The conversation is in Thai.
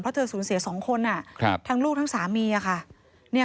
เพราะเธอสูญเสีย๒คนทั้งลูกทั้งสามีค่ะ